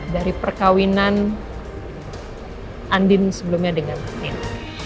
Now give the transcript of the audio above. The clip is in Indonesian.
dari perkawinan andin sebelumnya dengan andin